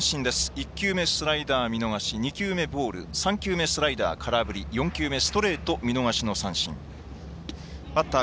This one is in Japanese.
１球目スライダー、２球目ボール３球目スライダー空振り４球目、ストレート見逃しの三振です。